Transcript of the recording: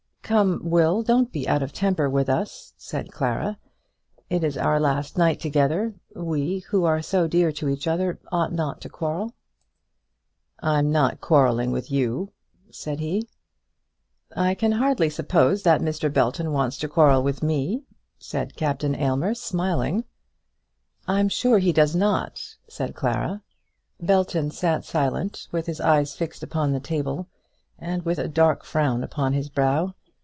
"Come, Will, don't be out of temper with us," said Clara. "It is our last night together. We, who are so dear to each other, ought not to quarrel." "I'm not quarrelling with you," said he. "I can hardly suppose that Mr. Belton wants to quarrel with me," said Captain Aylmer, smiling. "I'm sure he does not," said Clara. Belton sat silent, with his eyes fixed upon the table, and with a dark frown upon his brow.